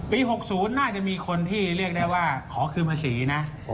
๖๐น่าจะมีคนที่เรียกได้ว่าขอคืนภาษีนะ